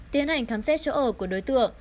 tiến hành khám xét chỗ ở của đối tượng